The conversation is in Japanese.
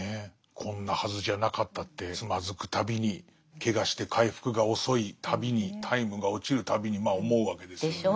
こんなはずじゃなかったってつまずくたびにけがして回復が遅いたびにタイムが落ちるたびにまあ思うわけですよね。でしょう。